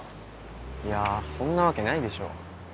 いやそんなわけないでしょ。